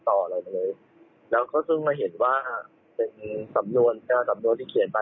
ตอนที่ไปแย้งขอความเป็นธรรมของผู้กำกับ